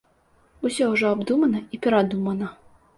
Усё ўжо абдумана і перадумана.